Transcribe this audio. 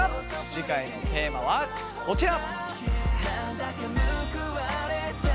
次回のテーマはこちら。